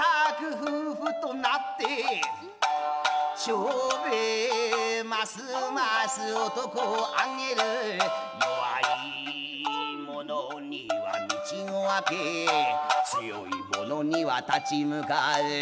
「長兵衛ますます男をあげる」「弱い者には道を開け」「強い者には立ち向かう」